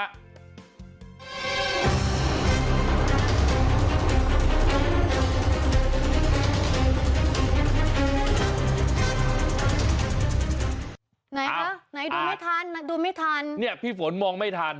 ไหนคะไหนดูไม่ทันดูไม่ทันเนี่ยพี่ฝนมองไม่ทัน